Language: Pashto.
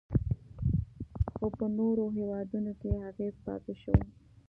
خو په نورو هیوادونو کې یې اغیز پاتې شو